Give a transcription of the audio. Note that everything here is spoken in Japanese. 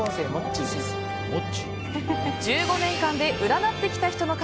１５年間で占ってきた人の数